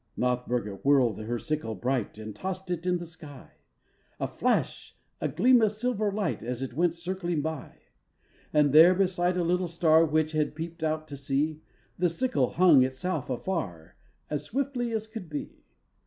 Nothburga whirled her sickle bright And tossed it in the sky! A flash, a gleam of silver light, As it went circling by, And there, beside a little star Which had peeped out to see, The sickle hung itself afar, As swiftly as could be!